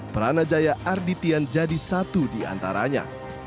peranajaya arditian jadi satu di antaranya